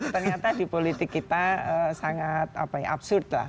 ternyata di politik kita sangat absurd lah